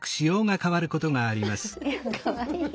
いやかわいい。